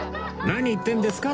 何言ってるんですか？